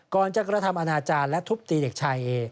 ก่อนจะกระทำอาณาจารย์และทุบตีเด็กชายเอ